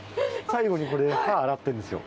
最後にこれ、刃洗ってるんですよ。